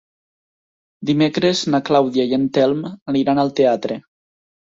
Dimecres na Clàudia i en Telm aniran al teatre.